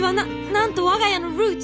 なんと我が家のルーツ